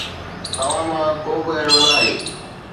توهان مان ڪو به اهڙو ناهي